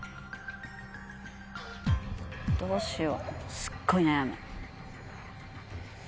どうしよう。